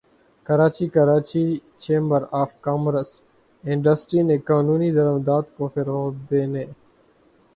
Karachi Karachi chamber of commerce and industry نے قانونی درآمدات کو فروغ دینے